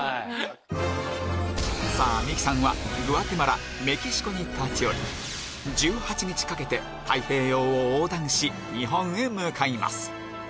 さぁ三木さんはグアテマラメキシコに立ち寄り１８日かけて太平洋を横断し日本へ向かいます